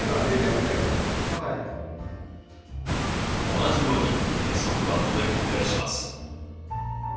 同じように結束バンドで固定します。